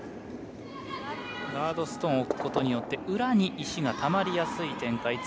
ガードストーンを置くことによって裏に石がたまりやすい展開。